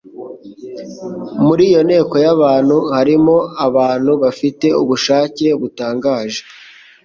Muri iyo nteko y'abantu harimo abantu bafite ubushake butangaje,